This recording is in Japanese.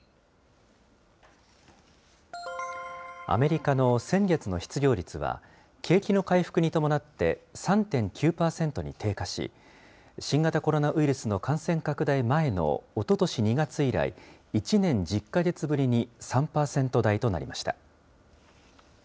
アメリカの先月の失業率は、景気の回復に伴って３．９％に低下し、新型コロナウイルスの感染拡大前のおととし２月以来、１年１０か月ぶりに３％台となりました。